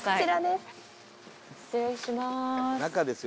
失礼します。